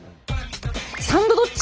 「サンドどっち」！